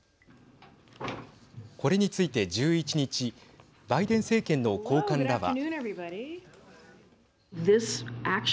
これについて１１日バイデン政権の高官らは。